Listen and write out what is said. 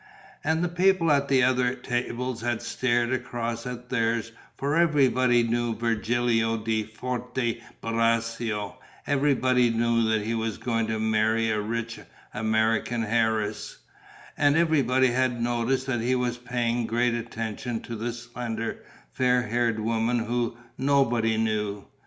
And the people at the other tables had stared across at theirs, for everybody knew Virgilio di Forte Braccio; everybody knew that he was going to marry a rich American heiress; and everybody had noticed that he was paying great attention to the slender, fair haired woman whom nobody knew.